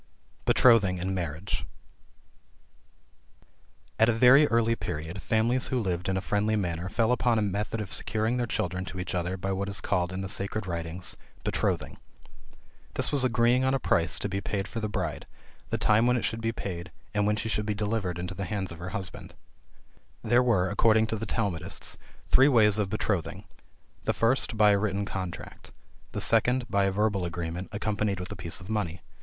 BETROTHING AND MARRIAGE. At a very early period, families who lived in a friendly manner, fell upon a method of securing their children to each other by what is called in the sacred writings Betrothing. This was agreeing on a price to be paid for the bride, the time when it should be paid, and when she should be delivered into the hands of her husband. There were, according to the Talmudists, three ways of betrothing. The first by a written contract. The second, by a verbal agreement, accompanied with a piece of money.